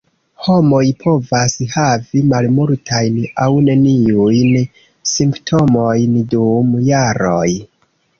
Homoj povas havi malmultajn aŭ neniujn simptomojn dum jaroj.